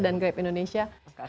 dan grab indonesia